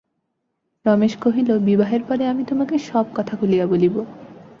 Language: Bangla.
রমেশ কহিল, বিবাহের পরে আমি তোমাকে সব কথা খুলিয়া বলিব।